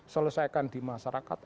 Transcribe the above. selesaikan di masyarakat